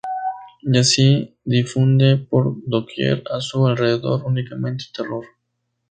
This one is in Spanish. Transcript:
Y así difunde por doquier a su alrededor únicamente terror.